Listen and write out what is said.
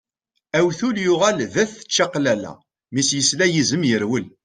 Awtul yuɣal d at čaqlala, mi s-yesla yizem yerwel.